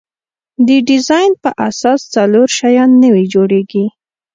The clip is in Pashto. د ډیزاین په اساس څلور شیان نوي جوړیږي.